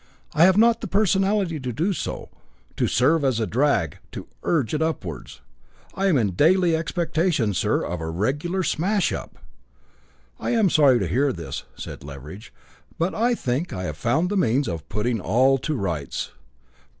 I have not the personality to do so, to serve as a drag, to urge it upwards. I am in daily expectation, sir, of a regular smash up." "I am sorry to hear this," said Leveridge. "But I think I have found a means of putting all to rights.